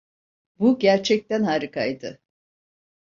Bu gerçekten harikaydı.